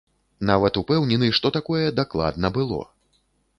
Нават упэўнены, што такое дакладна было.